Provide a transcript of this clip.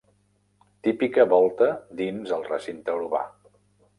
Típica volta dins el recinte urbà.